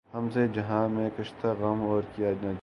ہم سے جہاں میں کشتۂ غم اور کیا نہ تھے